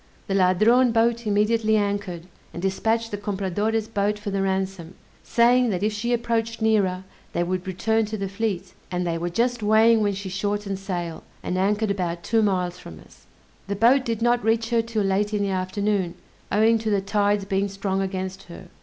The Ladrone boat immediately anchored, and dispatched the Compradore's boat for the ransom, saying, that if she approached nearer, they would return to the fleet; and they were just weighing when she shortened sail, and anchored about two miles from us. The boat did not reach her 'till late in the afternoon, owing to the tide's being strong against her.